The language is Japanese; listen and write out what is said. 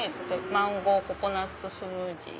マンゴーココナッツスムージー。